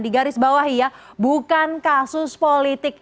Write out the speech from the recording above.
di garis bawahi ya bukan kasus politik